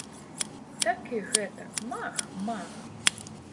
Так і гэтак мах, мах!